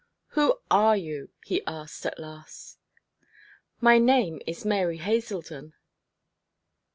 'Who are you?' he asked, at last. 'My name is Mary Haselden.'